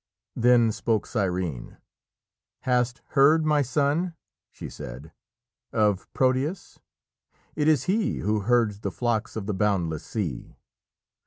Then spoke Cyrene. "Hast heard, my son," she said, "of Proteus? It is he who herds the flocks of the boundless sea.